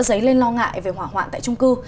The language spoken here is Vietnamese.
dấy lên lo ngại về hỏa hoạn tại trung cư